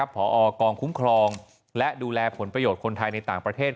พอกองคุ้มครองและดูแลผลประโยชน์คนไทยในต่างประเทศ